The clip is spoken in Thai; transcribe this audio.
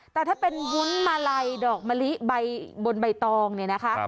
แต่ถ้าเป็นวุ้นมาลัยดอกมะลิใบบนใบตองเนี่ยนะคะ